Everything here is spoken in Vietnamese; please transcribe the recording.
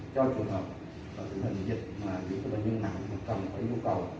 cho trường hợp tình hình dịch mà những bệnh nhân nặng mà cần phải nhu cầu